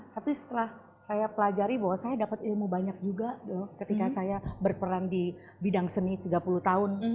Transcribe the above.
tapi setelah saya pelajari bahwa saya dapat ilmu banyak juga ketika saya berperan di bidang seni tiga puluh tahun